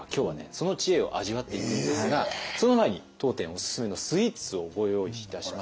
その知恵を味わっていくんですがその前に当店おすすめのスイーツをご用意いたしました。